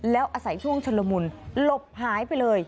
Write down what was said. แล้วอาศัยช่วงชุลมุนหลบหายไปเลย